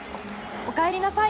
おかえりなさい！